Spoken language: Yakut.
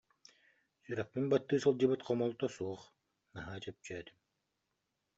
Сүрэхпин баттыы сылдьыбыт хомолто суох, наһаа чэпчээтим